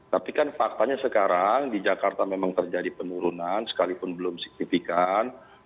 tapi kan faktanya sekarang di jakarta memang terjadi penurunan sekalipun belum signifikan